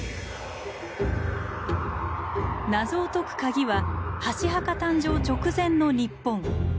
謎を解くカギは箸墓誕生直前の日本。